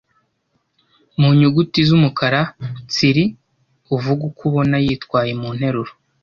mu nyuguti z’umukara tsiri uvuge uko ubona yitwaye mu nteruro: